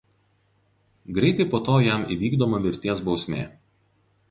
Greitai po to jam įvykdoma mirties bausmė.